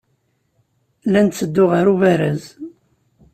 La netteddu ɣer ubaraz.